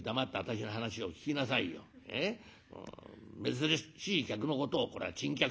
珍しい客のことをこれを珍客というの」。